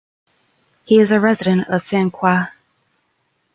He is a resident of Saint Croix.